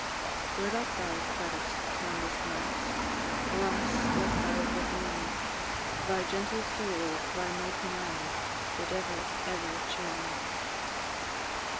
Where art thou, fairest, kindest lass? Alas! wert thou but near me, Thy gentle soul, thy melting eye, Would ever, ever cheer me.